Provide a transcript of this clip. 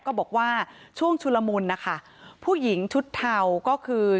บอกว่าช่วงชุลมุนนะคะผู้หญิงชุดเทาก็คือ